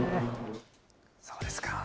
そうですか。